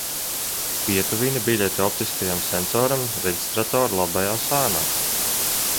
Pietuvini biļeti optiskajam sensoram reģistratora labajā sānā.